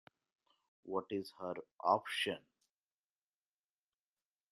What is her option?